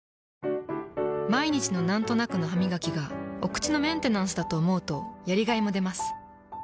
毎日のなんとなくのハミガキがお口のメンテナンスだと思うとやりがいもでます。